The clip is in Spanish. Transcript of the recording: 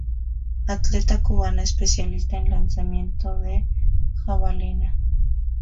Atleta cubana especialista en lanzamiento de jabalina.